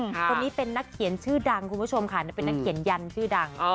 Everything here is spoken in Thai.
คนนี้เป็นนักเขียนชื่อดังคุณผู้ชมค่ะเป็นนักเขียนยันชื่อดัง